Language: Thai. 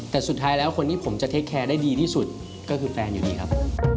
แต่สุดท้ายแล้วคนที่ผมจะเทคแคร์ได้ดีที่สุดก็คือแฟนอยู่นี้ครับ